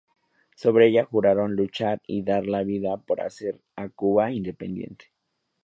Sobre ella juraron luchar y dar la vida por hacer a Cuba independiente.